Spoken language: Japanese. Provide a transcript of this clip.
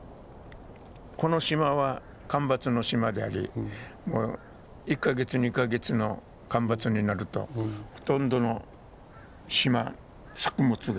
この島は干ばつの島であり１か月２か月の干ばつになるとほとんどの島作物が枯れてしまうんですよね。